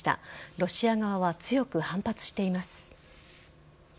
ロシア側は強く反発しています。